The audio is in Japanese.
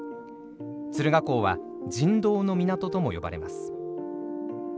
敦賀港は人道の港とも呼ばれます。